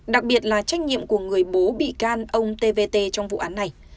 đặc biệt là trách nhiệm của người bố bị can ông tvt trong vụ án này